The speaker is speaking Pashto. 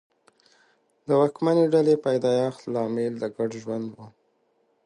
د واکمنې ډلې پیدایښت لامل د ګډ ژوند و